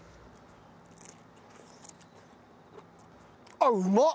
あっうまっ！